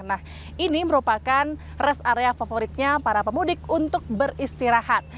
nah ini merupakan rest area favoritnya para pemudik untuk beristirahat